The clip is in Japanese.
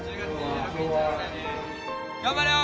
頑張れよ！